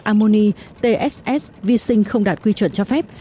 amoni tss vi sinh không đạt quy chuẩn cho phép